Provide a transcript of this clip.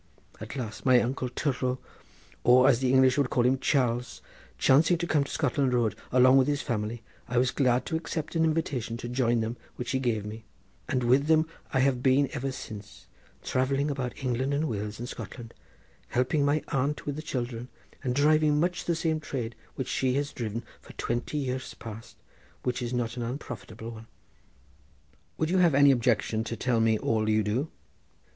At last my uncle Tourlough, or as the English would call him, Charles, chancing to come to Scotland Road along with his family, I was glad to accept an invitation to join them which he gave me, and with them I have been ever since, travelling about England and Wales and Scotland, helping my aunt with the children and driving much the same trade which she has driven for twenty years past, which is not an unprofitable one." "Would you have any objection to tell me all you do?"